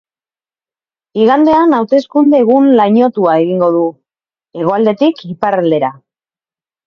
Igandean, hauteskunde egun lainotua egingo du, hegoaldetik iparraldera.